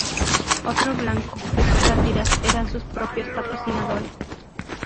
Otro blanco de sus sátiras eran sus propios patrocinadores.